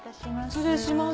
失礼します。